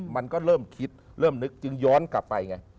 มันก็เริ่มคิดเริ่มนึกจึงย้อนกลับไปไง